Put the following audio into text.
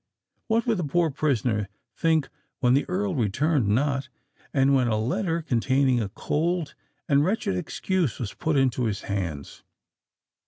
What would the poor prisoner think when the Earl returned not, and when a letter containing a cold and wretched excuse was put into his hands?